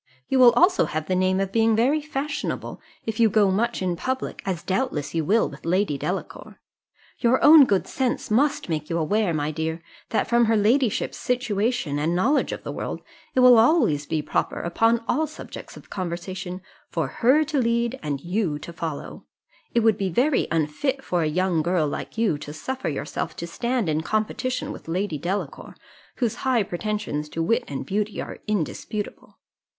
You will also have the name of being very fashionable, if you go much into public, as doubtless you will with Lady Delacour. Your own good sense must make you aware, my dear, that from her ladyship's situation and knowledge of the world, it will always be proper, upon all subjects of conversation, for her to lead and you to follow: it would be very unfit for a young girl like you to suffer yourself to stand in competition with Lady Delacour, whose high pretensions to wit and beauty are indisputable.